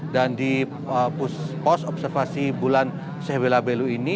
dan di pos observasi bulan sehwela belu ini